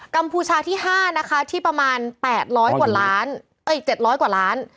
กัมพูชาที่๕นะคะที่ประมาณ๗๐๐กว่าล้าน